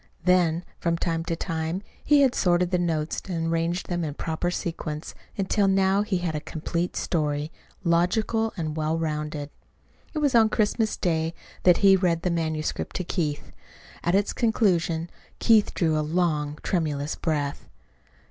Then, from time to time he had sorted the notes and arranged them in proper sequence, until now he had a complete story, logical and well rounded. It was on Christmas Day that he read the manuscript to Keith. At its conclusion Keith drew a long, tremulous breath.